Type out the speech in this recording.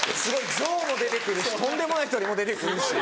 象も出てくるしとんでもないトリも出てくるし。